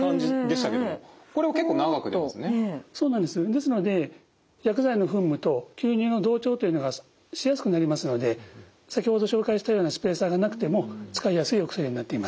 ですので薬剤の噴霧と吸入の同調というのがしやすくなりますので先ほど紹介したようなスペーサーがなくても使いやすいお薬になっています。